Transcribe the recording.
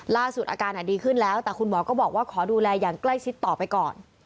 ล่าสุดอาการดีขึ้นแล้วแต่คุณหมอก็บอกว่าขอดูแลอย่างใกล้ชิดต่อไปก่อน